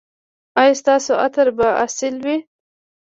ایا ستاسو عطر به اصیل وي؟